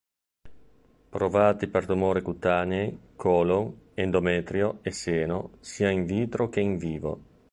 Provati per tumori cutanei, colon, endometrio e seno sia "in vitro" che "in vivo".